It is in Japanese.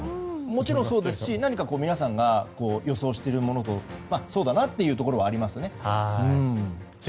もちろんそうですし皆さんが予想しているものとそうだなというところはありますね。